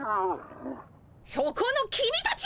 そこの君たち。